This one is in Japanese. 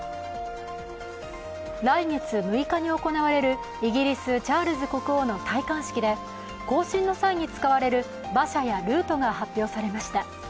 来月６日に行われるイギリス・チャールズ国王の戴冠式で行進の際に使われる馬車やルートが発表されました。